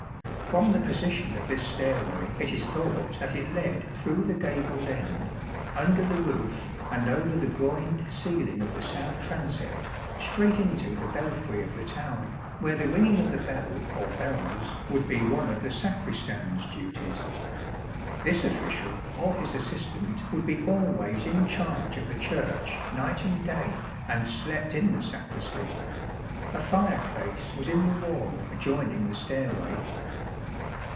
24 From the position of this stairway, it is thought that it led through the gabled end, under the roof, and over the groined ceiling of the south transept, straight into the belfry of the tower, where the ringing of the bell or bells would be one of the sacristan's duties. This official or his assistant would be always in charge of the Church night and day, and slept in the sacristy. A fire place was in the wall adjoining the stairway.